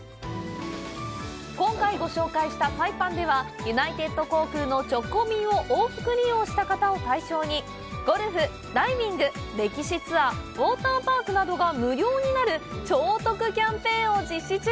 今回ご紹介したサイパンではユナイテッド航空の直行便を往復利用した方を対象にゴルフ、ダイビング、歴史ツアーウォーターパークなどが無料になる「超得キャンペーン」を実施中。